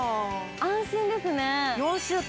安心ですね。